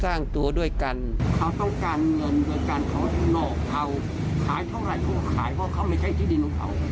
เขาต้องการเงินกับเราขายเท่านั้นก็ขายเพราะเราไม่ใช่ที่ดินแหละ